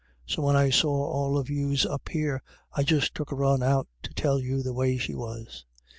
So when I saw all of yous up here, I just took a run out to tell you the way she was."